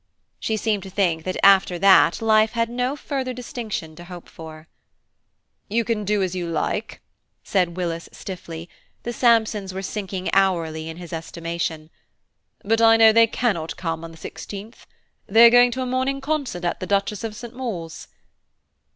She seemed to think that after that life had no further distinction to hope for. "You can do as you like," said Willis stiffly; the Sampsons were sinking hourly in his estimation; "but I know they cannot come on the 16th. They are going to a morning concert at the Duchess of St. Maur's."